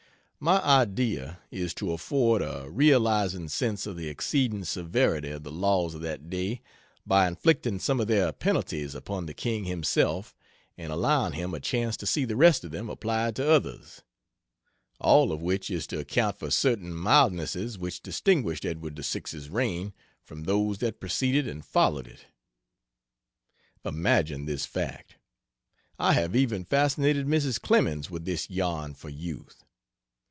My idea is to afford a realizing sense of the exceeding severity of the laws of that day by inflicting some of their penalties upon the King himself and allowing him a chance to see the rest of them applied to others all of which is to account for certain mildnesses which distinguished Edward VI's reign from those that preceded and followed it. Imagine this fact I have even fascinated Mrs. Clemens with this yarn for youth.